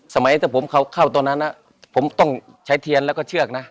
สมัยถ้าผมเข้าตอนนั้นผมต้องใช้เทียนแล้วก็เชือกนะ